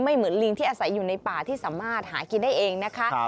เหมือนลิงที่อาศัยอยู่ในป่าที่สามารถหากินได้เองนะคะ